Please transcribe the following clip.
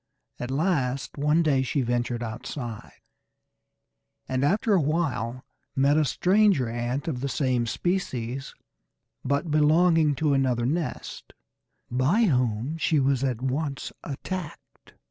At last one day she ventured outside, and after a while met a stranger ant of the same species, but belonging to another nest, by whom she was at once attacked.